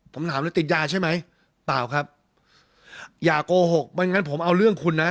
ผมถามเลยติดยาใช่ไหมเปล่าครับอย่าโกหกไม่งั้นผมเอาเรื่องคุณนะ